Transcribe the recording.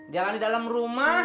jalan di dalam rumah